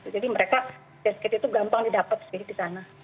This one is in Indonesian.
jadi mereka test kit itu gampang didapat sih di sana